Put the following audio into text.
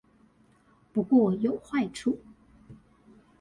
不過有壞處